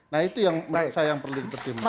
nah itu yang menurut saya yang perlu dipertimbangkan